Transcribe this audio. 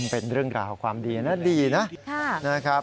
เป็นเรื่องราวความดีนะดีนะครับ